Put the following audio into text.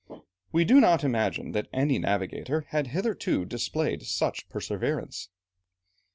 We do not imagine that any navigator had hitherto displayed such perseverance.